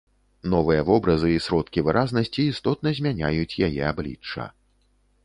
Новыя вобразы і сродкі выразнасці істотна змяняюць яе аблічча.